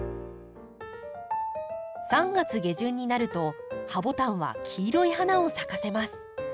３月下旬になるとハボタンは黄色い花を咲かせます。